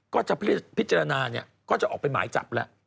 ก็จะพิจารณาเนี่ยก็จะออกไปหมายจับแล้ว